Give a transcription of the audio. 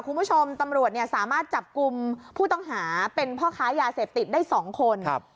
คุณผู้ชมตำรวจเนี่ยสามารถจับกลุ่มผู้ต้องหาเป็นพ่อค้ายาเสพติดได้๒คน